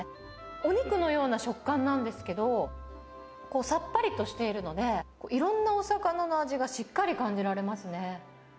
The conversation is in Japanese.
お肉のような食感なんですけど、さっぱりとしているので、いろんなお魚の味がしっかり感じられますね。